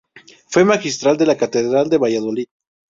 Fue magistral de la Catedral de Valladolid.